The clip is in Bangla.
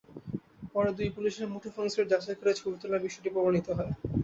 পরে দুই পুলিশের মুঠোফোনসেট যাচাই করে ছবি তোলার বিষয়টি প্রমাণিত হয়।